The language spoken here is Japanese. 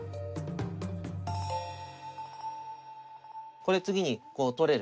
これ次にこう取れる。